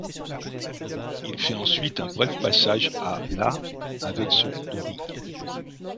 Il fait ensuite un bref passage à la avec ce nom de ring.